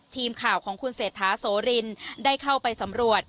ทีมข่าวของเราคุณเศรษฐาโสรินได้เข้าไปสำรวจ